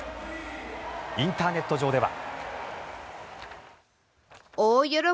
インターネット上では。